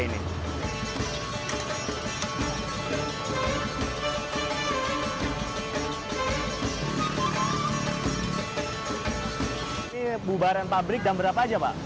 ini bubaran pabrik dan berapa aja pak